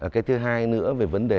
cái thứ hai nữa về vấn đề